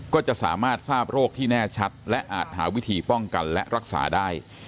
ก็จะสามารถทราบโรคที่แน่ชัดและอาจหาวิธีป้องกันและรักษาได้